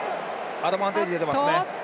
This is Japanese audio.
アドバンテージ出てますね。